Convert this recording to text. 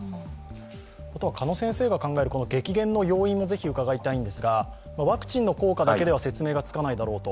あとは鹿野先生が考える激減の要因をぜひ伺いたいんですがワクチンの効果だけでは説明がつかないだろうと。